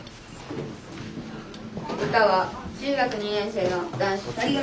歌は中学２年生の男子２人組。